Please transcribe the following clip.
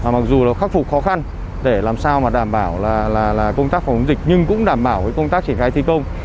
mặc dù là khắc phục khó khăn để làm sao mà đảm bảo là công tác phòng chống dịch nhưng cũng đảm bảo công tác triển khai thi công